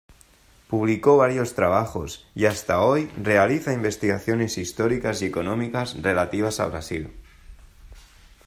Publicó varios trabajos y hasta hoy realiza investigaciones históricas y económicas relativas a Brasil.